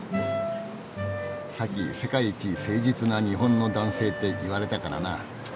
さっき「世界一誠実な日本の男性」って言われたからなあ。